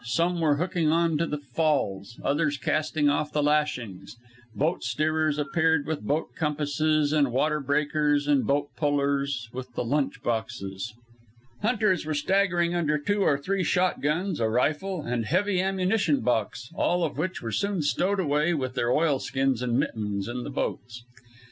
Some were hooking on the falls, others casting off the lashings; boat steerers appeared with boat compasses and water breakers, and boat pullers with the lunch boxes. Hunters were staggering under two or three shotguns, a rifle and heavy ammunition box, all of which were soon stowed away with their oilskins and mittens in the boats.